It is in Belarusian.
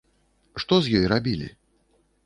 Што з ёй рабілі?